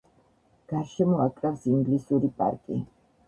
გარშემო აკრავს ინგლისური პარკი.